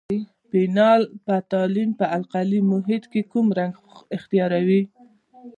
فینول فتالین په القلي محیط کې کوم رنګ اختیاروي؟